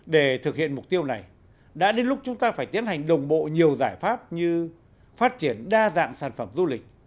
để thực hiện mục tiêu này đã đến lúc chúng ta phải tiến hành đồng bộ nhiều giải pháp như phát triển đa dạng sản phẩm du lịch